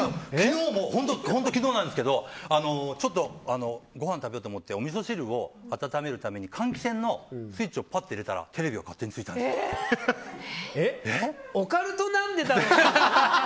本当、昨日なんですけどちょっとごはん食べようと思っておみそ汁を温めるために換気扇のスイッチを入れたらオカルトなんでだろう？